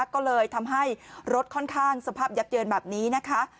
ก็เลยทำให้รถค่อนข้างสภาพยับเยินแบบนี้นะคะ